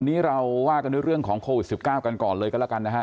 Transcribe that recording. วันนี้เราว่ากันด้วยเรื่องของโควิด๑๙กันก่อนเลยก็แล้วกันนะฮะ